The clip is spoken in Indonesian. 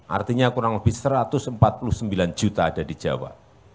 artinya kurang lebih satu ratus empat puluh sembilan juta ada di jawa